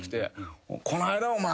「この間お前。